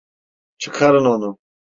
Çıkarın onu!